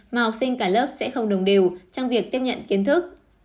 mà học sinh cả lớp sẽ không đồng đều trong việc tiếp nhận kiến thức